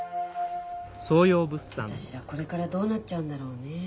私らこれからどうなっちゃうんだろうね。